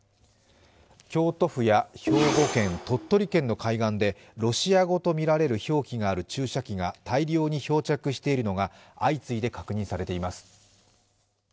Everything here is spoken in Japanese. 京都府や兵庫県、鳥取県の海岸でロシア語とみられる表記がある注射器が大量に漂着しているのが相次いで確認されています。